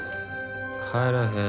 帰らへん。